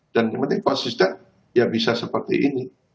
dan yang penting konsisten ya bisa seperti ini